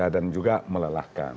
dan juga melelahkan